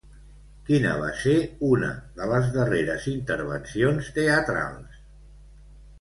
Quina va ser una de les darreres intervencions teatrals?